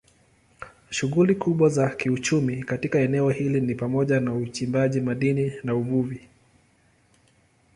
Shughuli kubwa za kiuchumi katika eneo hilo ni pamoja na uchimbaji madini na uvuvi.